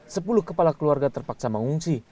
sepuluh kepala keluarga terpaksa mengungsi